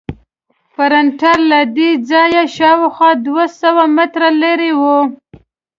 پرنټر له دې ځایه شاوخوا دوه سوه متره لرې و.